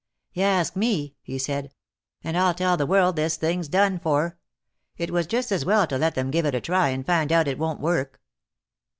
"Y'ask me," he said, "and I'll tell the world this thing's done for. It was just as well to let them give it a try, and find out it won't work."